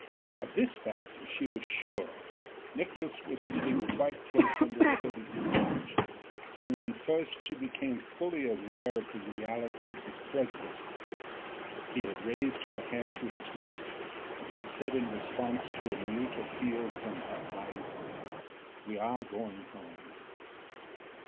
Of this fact she was sure, Nicolaes was sitting quite close under the hood of the sledge and when first she became fully aware of the reality of his presence, he had raised her hand to his lips and had said in response to a mute appeal from her eyes: "We are going home."